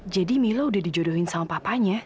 jadi milo udah dijodohin sama papanya